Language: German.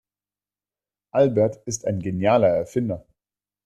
Albert ist ein genialer Erfinder.